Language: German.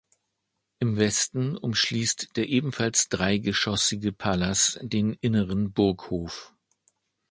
Im Westen umschließt der ebenfalls dreigeschoßige Palas den inneren Burghof.